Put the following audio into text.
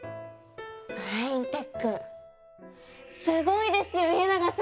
ブレインテックすごいですよ家長さん！